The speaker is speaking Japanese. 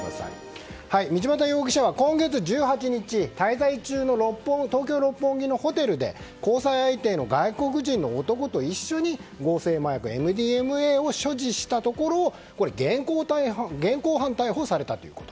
道端容疑者は今月１８日滞在中の東京・六本木のホテルで交際相手の外国人の男と一緒に合成麻薬ＭＤＭＡを所持したところ現行犯逮捕されたということ。